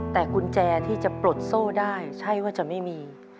แต่กุญแจที่จะปลดโซ่ได้ใช่ว่าจะไม่มี